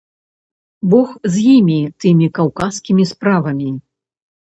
Бог з імі, тымі каўказскімі справамі!